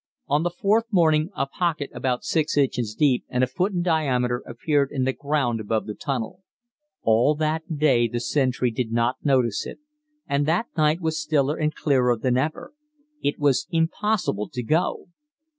On the fourth morning a pocket about 6 inches deep and a foot in diameter appeared in the ground above the tunnel. All that day the sentry did not notice it, and that night was stiller and clearer than ever. It was impossible to go.